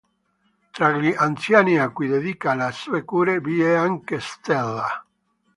Tra gli anziani a cui dedica le sue cure vi è anche Stella.